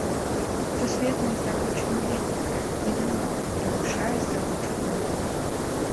Сусветная здабыча невялікая, ненамнога перавышае здабычу золата.